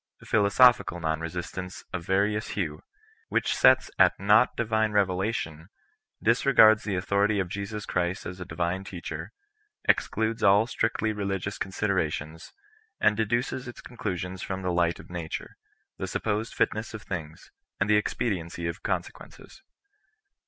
Philosophical non resistance of va rious hue, which sets at nought divine revelation, disre gards the authority of Jesus Christ as a divine teacher^ excludes all strictly religious considerations, and deduces its conclusions from the light of nature, the supposed fitness of things, and the expediency of consequences.